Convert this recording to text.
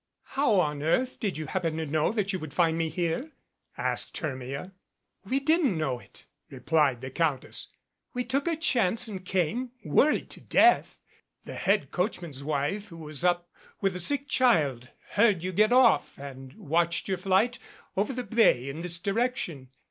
"How on earth did you happen to know that you could find me here?" asked Hermia. "We didn't know it," replied the countess. "We took a chance and came, worried to death. The head coach man's wife who was up with a sick child heard you get off and watched your flight over the bay in this direction.